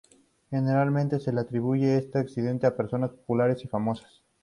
Generalmente se le atribuye este accidente a personas populares y famosas.